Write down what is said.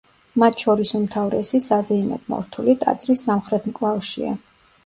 მათ შორის უმთავრესი, საზეიმოდ მორთული, ტაძრის სამხრეთ მკლავშია.